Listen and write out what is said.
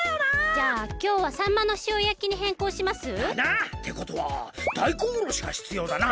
じゃあきょうはさんまのしおやきにへんこうします？だな！ってことはだいこんおろしがひつようだな。